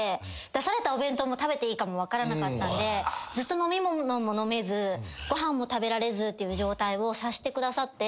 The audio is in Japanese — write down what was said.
出されたお弁当も食べていいかも分からなかったんでずっと飲み物も飲めずご飯も食べられずっていう状態を察してくださって。